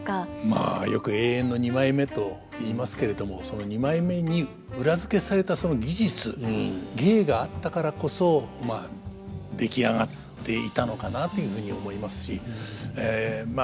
まあよく永遠の二枚目と言いますけれどもその二枚目に裏付けされたその技術芸があったからこそまあ出来上がっていたのかなというふうに思いますしま